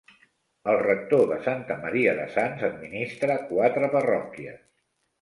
El rector de Santa Maria de Sants administra quatre parròquies.